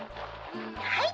「はい。